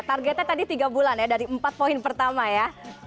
targetnya tadi tiga bulan ya dari empat poin pertama ya